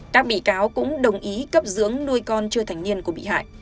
các bị cáo cũng đồng ý cấp dưỡng nuôi con chưa thành niên của bị hại